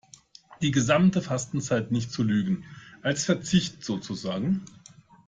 Die gesamte Fastenzeit nicht zu lügen, als Verzicht sozusagen.